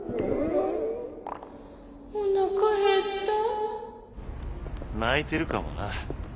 おなかへった泣いてるかもな。